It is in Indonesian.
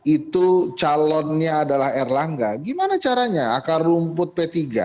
itu calonnya adalah erlangga gimana caranya akar rumput p tiga